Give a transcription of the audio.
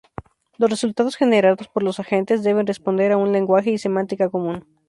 Los resultados generados por los agentes deben responder a un lenguaje y semántica común.